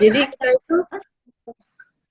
jadi kita itu